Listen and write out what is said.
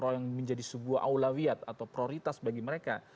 yang menjadi sebuah aulawiyat atau prioritas bagi mereka